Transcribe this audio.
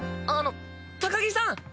あの高木さん。